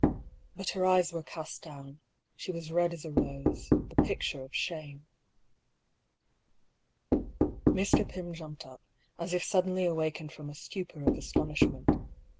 But her eyes were cast down : she was red as a rose — the picture of shame. Mr. Pym jumped up, as if suddenly awakened from a stupor of astonishment.